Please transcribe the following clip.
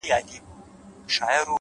صبر د بریا د پخېدو وخت ساتي’